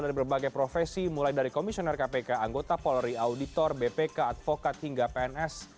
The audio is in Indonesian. dari berbagai profesi mulai dari komisioner kpk anggota polri auditor bpk advokat hingga pns